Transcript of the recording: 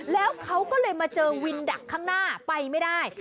แล้วเขาก็เลยมาเจอวินดักข้างหน้าไปไม่ได้